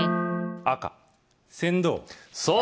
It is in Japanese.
赤船頭そう